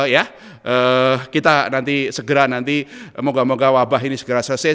ya kita nanti segera nanti moga moga wabah ini segera selesai